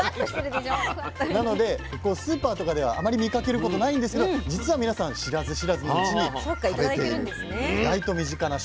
なのでスーパーとかではあまり見かけることないんですけど実は皆さん知らず知らずのうちに食べている意外と身近な食材なんです。